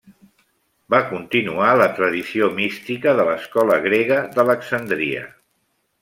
Va continuar la tradició mística de l'escola grega d'Alexandria.